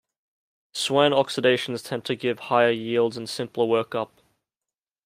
Swern oxidations tend to give higher yields and simpler workup.